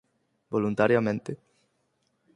Voluntariamente?